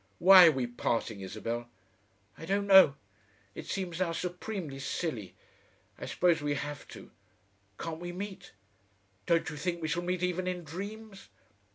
Why are we parting, Isabel?" "I don't know. It seems now supremely silly. I suppose we have to. Can't we meet? don't you think we shall meet even in dreams?"